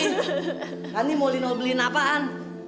nanti mau lino beliin apaan